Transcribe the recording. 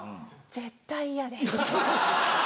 絶対嫌です。